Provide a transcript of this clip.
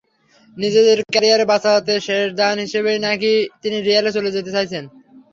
নিজের ক্যারিয়ার বাঁচাতে শেষ দান হিসেবেই নাকি তিনি রিয়ালে চলে যেতে চাইছেন।